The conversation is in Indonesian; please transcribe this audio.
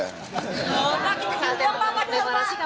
pak kita diundang pak